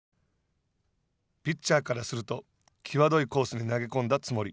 ピッチャーからすると際どいコースに投げ込んだつもり。